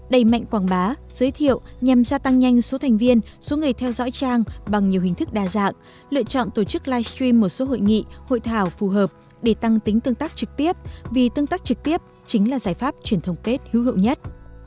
đầy mạnh quảng bá giới thiệu nhằm gia tăng nhanh số thành viên số người theo dõi trang bằng nhiều hình thức đa dạng lựa chọn tổ chức livestream một số hội nghị hội thảo phù hợp để tăng tính tương tác trực tiếp vì tương tác trực tiếp chính là giải pháp truyền thông kết hữu hữu nhất